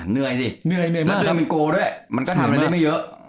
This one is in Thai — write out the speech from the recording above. เหนื่อยสิเหนื่อยมากและทำเป็นโก้ด้วยมันก็ทำอะไรได้ไม่เยอะ